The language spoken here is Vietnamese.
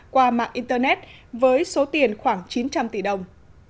qua mạng internet với số tiền khoảng chín trăm linh tỷ đồng